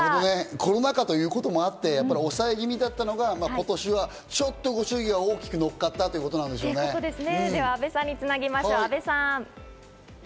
コロナ禍ということもあって、抑え気味だったのが今年はちょっとご祝儀が多く乗っかったということでしょうね。